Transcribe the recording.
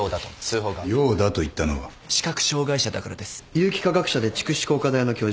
有機化学者で竹紫工科大の教授。